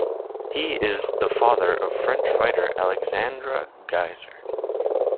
He is the father of French writer Alexandra Geyser.